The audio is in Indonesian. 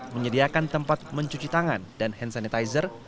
menyediakan tempat mencuci tangan dan hand sanitizer